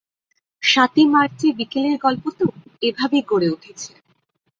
সাতই মার্চের বিকেল এর গল্প তো এভাবেই গড়ে উঠেছে।